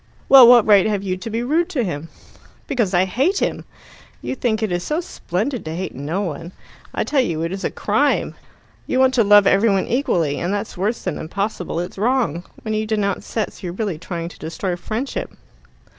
"Well, what right have you to be rude to him?" "Because I hate him. You think it is so splendid to hate no one. I tell you it is a crime. You want to love every one equally, and that's worse than impossible it's wrong. When you denounce sets, you're really trying to destroy friendship."